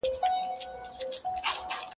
زه اوږده وخت کښېناستل کوم.